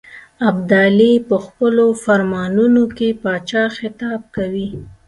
ابدالي په خپلو فرمانونو کې پاچا خطاب کوي.